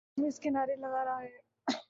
تو ہجوم اس کے نعرے لگا رہا ہے۔